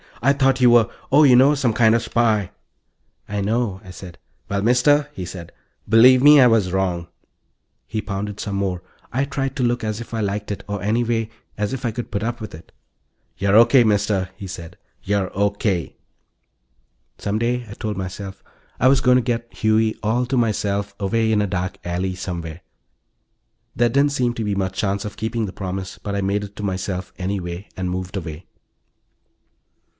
"I thought you were ... oh, you know, some kid of a spy." "I know," I said. "Well, Mister," he said, "believe me, I was wrong." He pounded some more. I tried to look as if I liked it or, anyway, as if I could put up with it. "You're O.K., Mister," he said. "You're O.K." Some day, I told myself, I was going to get Huey all to myself, away in a dark alley somewhere. There didn't seem to be much chance of keeping the promise, but I made it to myself anyway, and moved away.